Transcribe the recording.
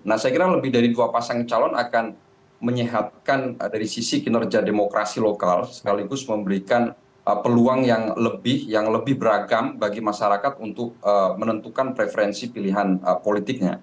nah saya kira lebih dari dua pasang calon akan menyehatkan dari sisi kinerja demokrasi lokal sekaligus memberikan peluang yang lebih beragam bagi masyarakat untuk menentukan preferensi pilihan politiknya